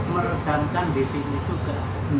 meredamkan di sini juga